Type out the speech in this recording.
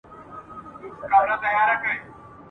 شپه دي اوږده تپه تیاره دي وي ..